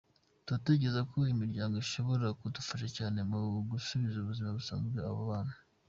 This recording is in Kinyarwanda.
Turatekereza ko imiryango ishobora kudufasha cyane mu gusubiza mu buzima busanzwe abo bana.